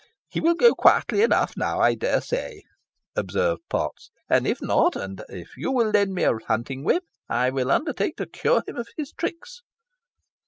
"He will go quietly enough now, I dare say," observed Potts, "and if not, and you will lend me a hunting whip, I will undertake to cure him of his tricks."